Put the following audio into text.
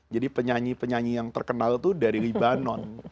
jadi penyanyi penyanyi yang terkenal itu dari libanon